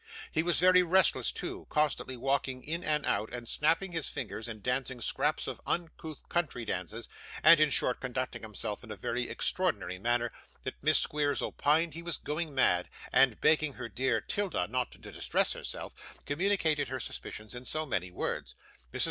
He was very restless too, constantly walking in and out, and snapping his fingers, and dancing scraps of uncouth country dances, and, in short, conducting himself in such a very extraordinary manner, that Miss Squeers opined he was going mad, and, begging her dear 'Tilda not to distress herself, communicated her suspicions in so many words. Mrs.